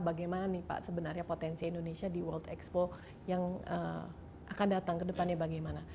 bagaimana nih pak sebenarnya potensi indonesia di world expo yang akan datang ke depannya bagaimana